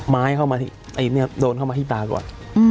ไม้เข้ามาเนี่ยโดนเข้ามาที่ตาก่อน